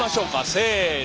せの。